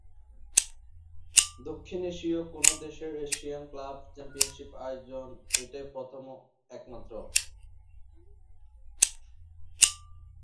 দক্ষিণ এশীয় কোনো দেশের এশিয়ান ক্লাব চ্যাম্পিয়নশিপ আয়োজন এটাই প্রথম ও একমাত্র।